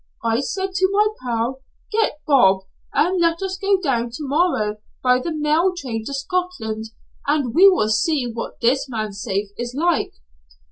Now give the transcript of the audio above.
I said to my pal, 'Get Bob, and let us go down to morrow by the mail train to Scotland, and we will see what this man's safe is like.'